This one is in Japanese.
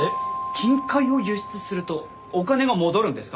金塊を輸出するとお金が戻るんですか？